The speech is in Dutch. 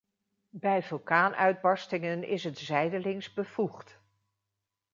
Bij vulkaanuitbarstingen is het zijdelings bevoegd.